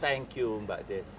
thank you mbak desi